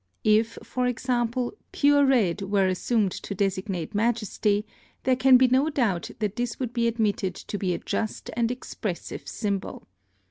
If, for example, pure red were assumed to designate majesty, there can be no doubt that this would be admitted to be a just and expressive symbol.